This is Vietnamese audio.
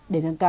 để nâng cao